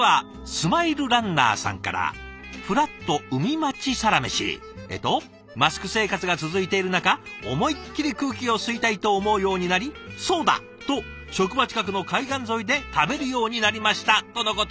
まずは「マスク生活が続いている中思いっきり空気を吸いたいと思うようになりそうだ！と職場近くの海岸沿いで食べるようになりました」とのこと。